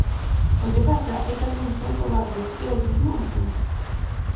O que pasa é que algúns son covardes e outros non o son.